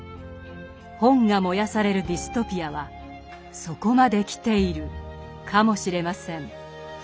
本が燃やされるディストピアはそこまで来ているかもしれません。